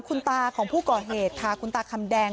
คุณตาของผู้ก่อเหตุค่ะคุณตาคำแดง